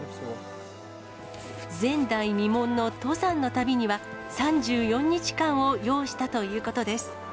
前代未聞の登山の旅には、３４日間を要したということです。